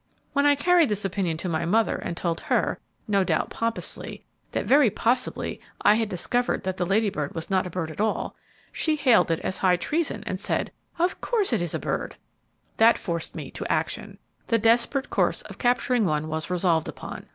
When I carried this opinion to my mother and told her, no doubt pompously, that 'very possibly' I had discovered that the Lady Bird was not a bird at all, she hailed it as high treason, and said, "Of course it is a bird!" That forced me to action. The desperate course of capturing one was resolved upon.